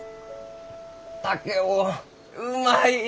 竹雄うまい！